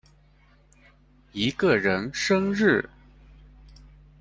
一個人生日